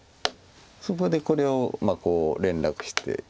そこでこれをこう連絡して。